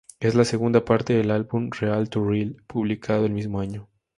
Es la segunda parte del álbum "Real to Reel", publicado el mismo año.